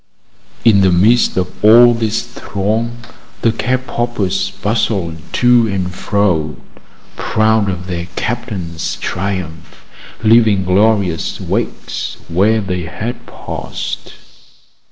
In the midst of all this throng, the cap poppers bustled to and fro, proud of their captain's triumph, leaving glorious wakes where they had passed.